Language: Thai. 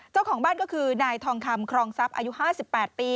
เจ้าของบ้านก็คือนายทองคำครองทรัพย์อายุ๕๘ปี